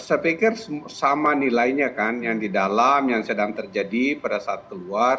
saya pikir sama nilainya kan yang di dalam yang sedang terjadi pada saat keluar